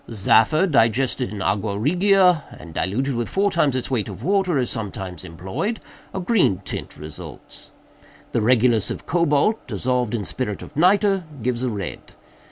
Zaffre, digested in aqua regia, and diluted with four times its weight of water, is sometimes employed; a green tint results. The regulus of cobalt, dissolved in spirit of nitre, gives a red.